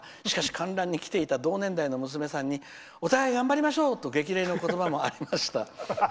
しかし、観覧に来ていた同年代の娘さんにお互い頑張りましょう！と激励の言葉もありました。